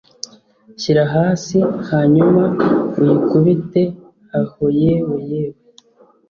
shyira hasi, hanyuma uyikubite aho, yewe, yewe